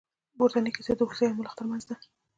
پورتنۍ کیسه د هوسۍ او ملخ تر منځ ده.